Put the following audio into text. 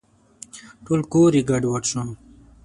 ټول کور یې ګډوډ شو .